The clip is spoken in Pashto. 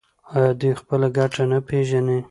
آیا دوی خپله ګټه نه پیژني؟